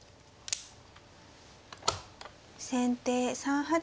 先手３八金。